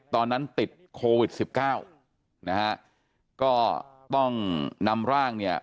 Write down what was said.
ตอนนั้นติดโควิด๑๙นะครับก็ต้องนำร่างเนี่ย